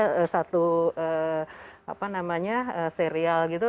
ada satu apa namanya serial gitu